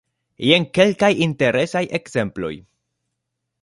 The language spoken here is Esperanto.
Jen kelkaj interesaj ekzemploj.